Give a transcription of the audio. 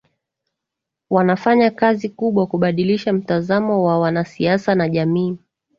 Wanafanya kazi kubwa kubadilisha mtazamo wa wanasiasa na jamii